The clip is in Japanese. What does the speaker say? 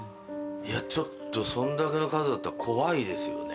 ちょっとそんだけの数だったら怖いですよね。